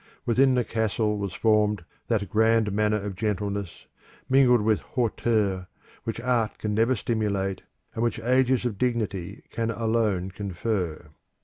Within the castle was formed that grand manner of gentleness, mingled with hauteur, which art can never stimulate, and which ages of dignity can alone confer.